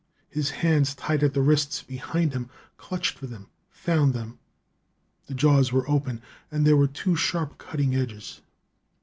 His hands, tied at the wrists behind him, clutched for them; found them. The jaws were open, and there were two sharp cutting edges.